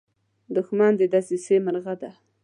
دښمن د دسیسې مرغه دی